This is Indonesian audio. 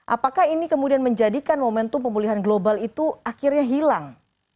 apakah ini kemudian menjadikan momentum pemulihan global itu akhirnya hilang